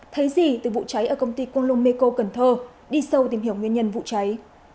thấy gì từ vụ cháy ở công ty công lông meco cần thơ đi sâu tìm hiểu nguyên nhân vụ cháy